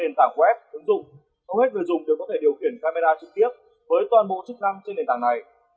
trong đó các hệ thống camera web ứng dụng hầu hết người dùng đều có thể điều khiển camera trực tiếp với toàn bộ chức năng trên nền tảng này